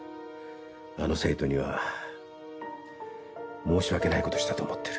あの生徒には申し訳ないことしたと思ってる。